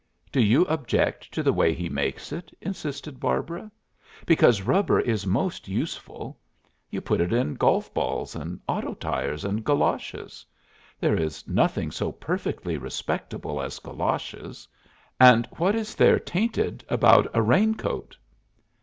"Do you object to the way he makes it?" insisted Barbara. "Because rubber is most useful. You put it in golf balls and auto tires and galoches. There is nothing so perfectly respectable as galoches. And what is there 'tainted' about a raincoat?"